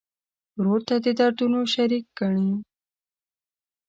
ورور ته د دردونو شریک ګڼې.